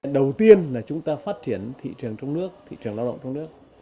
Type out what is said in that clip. đầu tiên là chúng ta phát triển thị trường trong nước thị trường lao động trong nước